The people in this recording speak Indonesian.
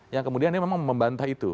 yang kemudian dia memang membantah itu